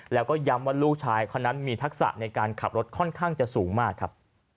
แล้วก็ย้ำว่าลูกชายคนนั้นมีทักษะในการขับรถค่อนข้างจะสูงมากครับ